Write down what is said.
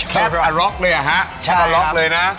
แคทอร็อกเลยนะครับแคทอร็อกเลยนะ